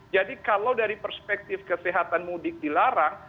jadi kalau dari perspektif kesehatan mudik dilarang